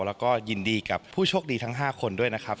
แล้วก็ยินดีกับผู้โชคดีทั้ง๕คนด้วยนะครับ